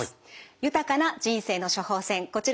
「豊かな人生の処方せん」